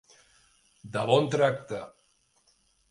De bon tracte.